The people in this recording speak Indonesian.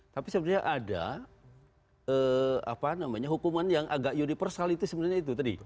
tapi sebenarnya ada hukuman yang agak universal itu sebenarnya itu tadi